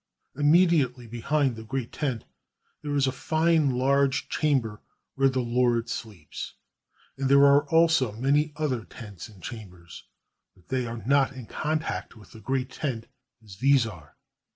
Immedi ately behind the great tent there is a fine large chamber where the lord sleeps; and there are also many other tents and chambers, but they are not in contact with the great tent as these are.